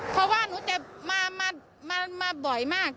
เพราะว่าหนูจะมาบ่อยมาก